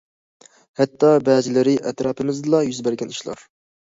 ھەتتا بەزىلىرى ئەتراپىمىزدىلا يۈز بەرگەن ئىشلار.